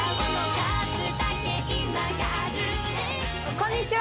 こんにちは！